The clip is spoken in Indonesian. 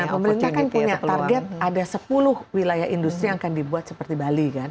pemerintah kan punya target ada sepuluh wilayah industri yang akan dibuat seperti bali kan